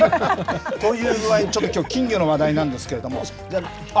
という具合に、ちょっときょう、金魚の話題なんですけれども、じゃあ。